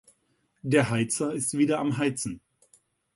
Der Heizer ist wieder am heizen.